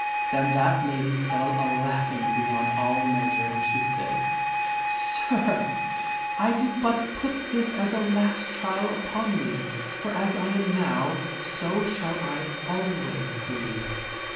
Then that lady fell a laughing beyond all measure and she said, " Sir, I did but put this as a last trial upon thee, for as I am now, so shall I always be."